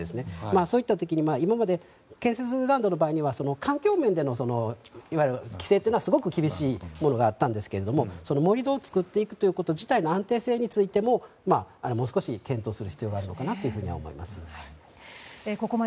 そういったときに今まで検査する場合は環境面に対するいわゆる規制というのは、すごく厳しいものがあったんですが盛り土を作っていくということ自体の安定性についてももう少し検討する必要があるのかなと思います。